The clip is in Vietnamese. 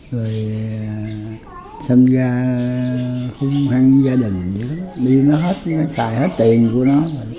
rồi xâm gia khuôn khăn gia đình đi nó hết nó xài hết tiền của nó